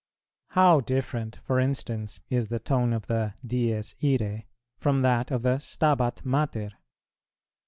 How different, for instance, is the tone of the Dies Iræ from that of the Stabat Mater.